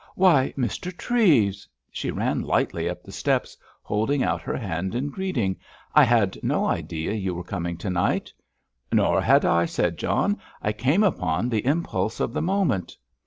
"Why, Mr. Treves!" She ran lightly up the steps, holding out her hand in greeting. "I had no idea you were coming to night." "Nor had I," said John. "I came upon the impulse of the moment."